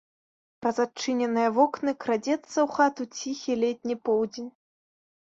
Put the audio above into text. Праз адчыненыя вокны крадзецца ў хату ціхі летні поўдзень.